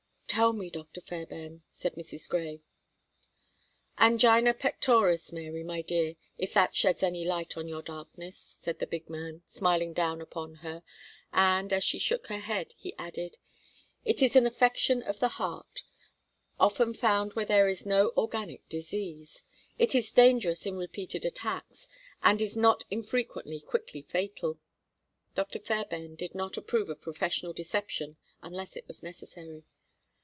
"Tell me, Dr. Fairbairn," said Mrs. Grey. "Angina pectoris, Mary, my dear, if that sheds any light on your darkness," said the big man, smiling down upon her, and, as she shook her head, he added: "It is an affection of the heart often found where there is no organic disease. It is dangerous in repeated attacks, and is not infrequently quickly fatal." Dr. Fairbairn did not approve of professional deception unless it was necessary.